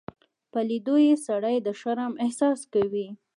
په لیدو یې سړی د شرم احساس کوي.